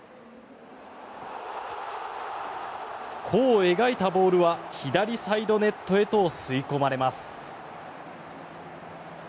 弧を描いたボールは左サイドネットへと吸い込まれます。